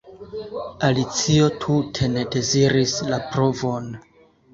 Alicio tute ne deziris la provon.